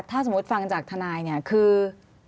ถ้าสมมติฟังจากธนายคือ